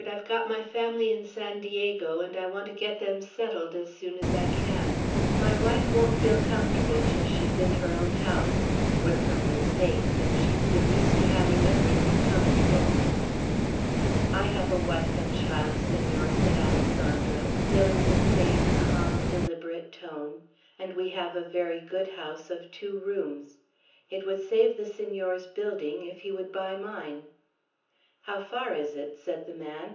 "I've got my family in San Diego, and I want to get them settled as soon as I can. My wife won't feel comfortable till she's in her own house. We're from the States, and she's been used to having everything comfortable." "I have a wife and child, Senor," said Alessandro, still in the same calm, deliberate tone; "and we have a very good house of two rooms. It would save the Senor's building, if he would buy mine." "How far is it?" said the man.